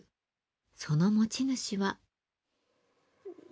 その持ち主は。